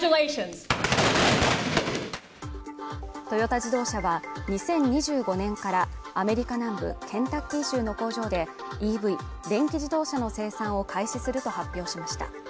トヨタ自動車は２０２５年からアメリカ南部ケンタッキー州の工場でＥＶ＝電気自動車の生産を開始すると発表しました。